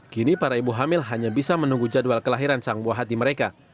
kini para ibu hamil hanya bisa menunggu jadwal kelahiran sang buah hati mereka